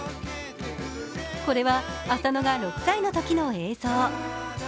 これは浅野が６歳のときの映像。